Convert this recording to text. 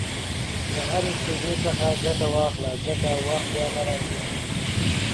د هرې شېبې څخه ګټه واخله، ځکه وخت بیا نه راګرځي.